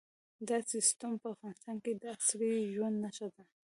دا سیستم په افغانستان کې د عصري ژوند نښه ده.